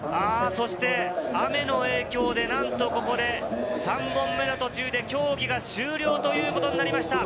そして雨の影響でなんとここで３本目の途中で競技が終了ということになりました。